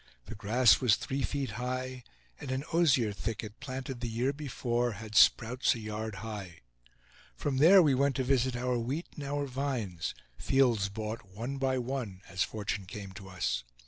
The grass was three feet high, and an osier thicket, planted the year before, had sprouts a yard high. From there we went to visit our wheat and our vines, fields bought one by one as fortune came to us.